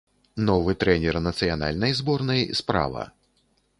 Новы трэнер нацыянальнай зборнай справа.